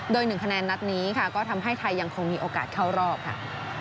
โดย๑คะแนนนัดนี้ค่ะก็ทำให้ไทยยังคงมีโอกาสเข้ารอบค่ะ